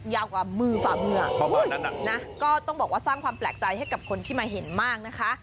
ยาวกว่ามือฝ่ามือประมาณนั้นนะก็ต้องบอกว่าสร้างความแปลกใจให้กับคนที่มาเห็นมากนะคะ